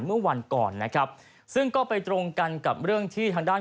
เมื่อวันก่อนนะครับซึ่งก็ไปตรงกันกับเรื่องที่ทางด้าน